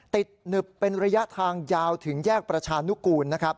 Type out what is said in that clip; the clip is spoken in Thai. หนึบเป็นระยะทางยาวถึงแยกประชานุกูลนะครับ